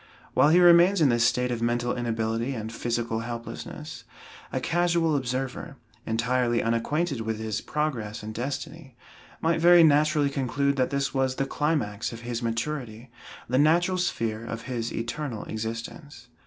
While he remains in this state of mental inability and physical helplessness, a casual observer, entirely unacquainted with his progress and destiny, might very naturally conclude that this was the climax of his maturity, the natural sphere of his eternal existence.